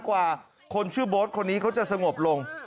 กว่าคนชื่อโบ๊ทคนนี้เขาจะสงบลง